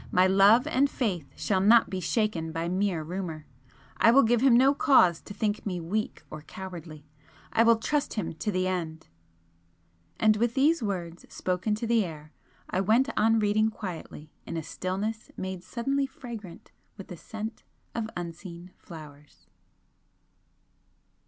my love and faith shall not be shaken by mere rumour! I will give him no cause to think me weak or cowardly, I will trust him to the end!" And with these words spoken to the air, I went on reading quietly in a stillness made suddenly fragrant with the scent of unseen flowers.